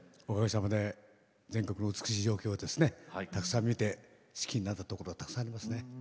おかげさまで全国美しい情景をたくさん見て好きになったところがたくさんありますね。